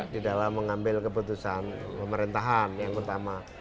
di dalam mengambil keputusan pemerintahan yang pertama